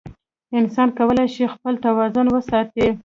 انسان کولی شي خپل توازن وساتي.